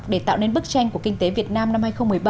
để tạo nên bức tranh của kinh tế việt nam năm hai nghìn một mươi bảy